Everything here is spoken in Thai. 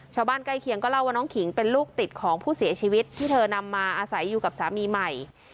ใกล้เคียงก็เล่าว่าน้องขิงเป็นลูกติดของผู้เสียชีวิตที่เธอนำมาอาศัยอยู่กับสามีใหม่